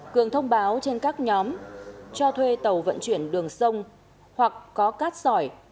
cường thông báo trên các nhóm cho thuê tàu vận chuyển đường sông hoặc có cát sỏi